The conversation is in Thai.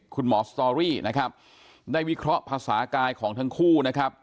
สตอรี่นะครับได้วิเคราะห์ภาษากายของทั้งคู่นะครับ